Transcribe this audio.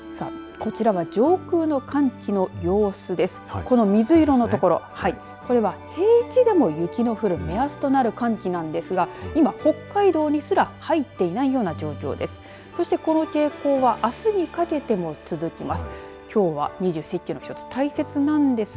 これは平地でも雪の降る目安となる寒気なんですが今、北海道にすら入っていないような状況です。